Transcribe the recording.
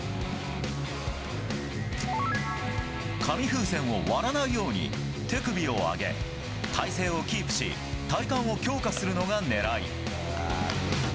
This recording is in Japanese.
紙風船を割らないように手首を上げ体勢をキープし体幹を強化するのが狙い。